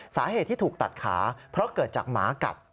สาเหตุที่ถูกตัดขาเพราะเกิดจากหมากัด